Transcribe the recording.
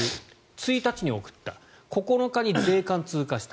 １日に送った９日に税関を通過した。